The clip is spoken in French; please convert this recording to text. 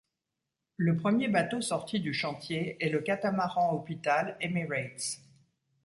Le premier bateau sorti du chantier est le catamaran hôpital Emirates.